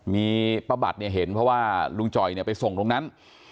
มีป้าบัตรเนี่ยเห็นเพราะว่าลุงจ่อยไปส่งตรงนั้น